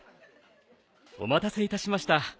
お待たせいたしました